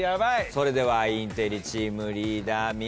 それではインテリチームリーダー三浦さん。